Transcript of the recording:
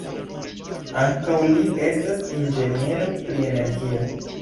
Ankaŭ li estas inĝeniero pri energio.